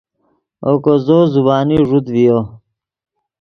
اوکو زو زبانی ݱوت ڤیو